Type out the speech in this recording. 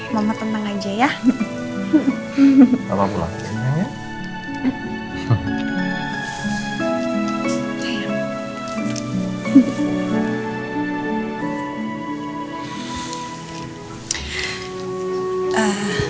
mama pulang dulu ya